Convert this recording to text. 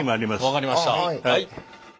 分かりました。